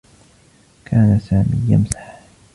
كان سامي يمزح.